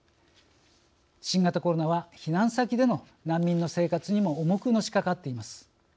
新型コロナは避難先での難民の生活にも重くのしかかっています。